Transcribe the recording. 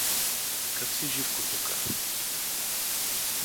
— Какъв си, Живко, тука? — попитах го.